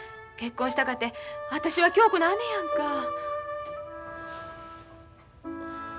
結婚したかて私は恭子の姉やんか。